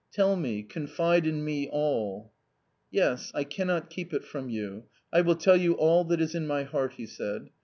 Tell me, confide in me all." u Yes, I cannot keep it from you ; I will tell you all that is in my heart," he said.